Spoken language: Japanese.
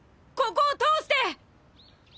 ここを通して！